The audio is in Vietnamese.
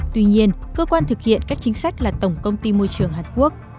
tuy nhiên cơ quan thực hiện các chính sách là tổng công ty môi trường hàn quốc